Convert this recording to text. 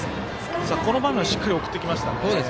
この場面しっかりと送ってきましたね。